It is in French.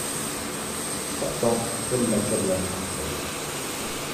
Pourtant, elle l'accabla de conseils.